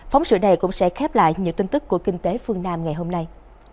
phóng sự này cũng sẽ khép lại những tin tức của kinh tế phương nam ngày hôm nay